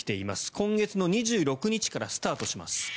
今月２６日からスタートします。